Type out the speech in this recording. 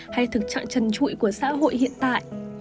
hay thực trạng trần trụi của xã hội hiện tại